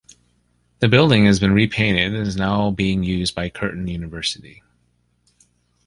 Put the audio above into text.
The building has been repainted and is now being used by Curtin University.